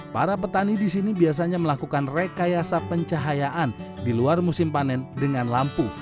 para petani di sini biasanya melakukan rekayasa pencahayaan di luar musim panen dengan lampu